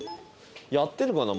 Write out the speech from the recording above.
やってるかな？